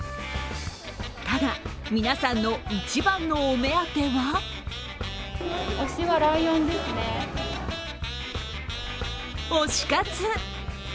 ただ、皆さんの一番のお目手当は推し活。